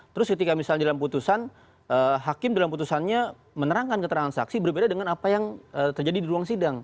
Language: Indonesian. terus ketika misalnya dalam putusan hakim dalam putusannya menerangkan keterangan saksi berbeda dengan apa yang terjadi di ruang sidang